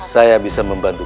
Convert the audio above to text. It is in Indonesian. saya bisa membantu